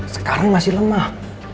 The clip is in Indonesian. sekarang masih lemah